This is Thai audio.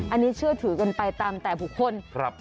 อันนี้เชื่อถือกันไปตามแต่บุคคล